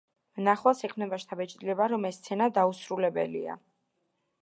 მნახველს ექმნება შთაბეჭდილება, რომ ეს სცენა დაუსრულებელია.